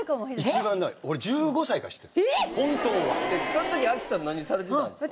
その時亜希さん何されてたんですか？